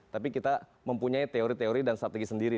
tapi kita mempunyai teori teori dan strategi sendiri